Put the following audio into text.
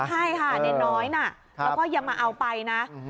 ใช่ค่ะเด็ดน้อยนะแล้วก็ยังมาเอาไปนะ